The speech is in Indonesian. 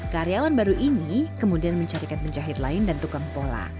karyawan baru ini kemudian mencarikan penjahit lain dan tukang pola